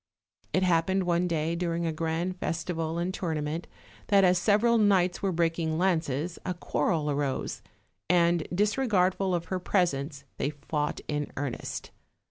It happened one day, during a grand festival and tour nament, that as several knights were breaking lances, a quarrel arose, and, disregardful of her presence, they fought in earnest.